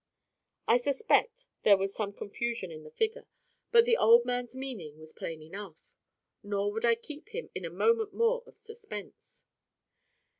I suspect there was some confusion in the figure, but the old man's meaning was plain enough. Nor would I keep him in a moment more of suspense.